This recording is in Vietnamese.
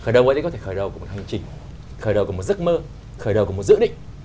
đầu ấy có thể là khởi đầu của một hành trình khởi đầu của một giấc mơ khởi đầu của một dự định